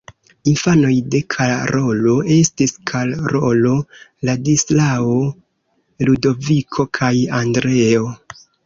Infanoj de Karolo estis Karolo, Ladislao, Ludoviko kaj Andreo.